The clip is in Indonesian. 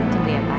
sini ya pak